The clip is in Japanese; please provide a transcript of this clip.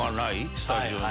スタジオに。